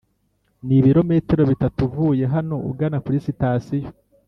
nibirometero bitatu uvuye hano ugana kuri sitasiyo.